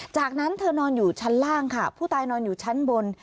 จากนั้นเธอนอนอยู่ชั้นล่างค่ะผู้ตายนอนอยู่ชั้นบน